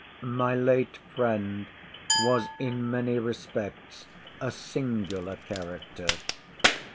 My late friend was in many respects a singular character.